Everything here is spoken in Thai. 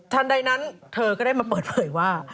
ใดนั้นเธอก็ได้มาเปิดเผยว่า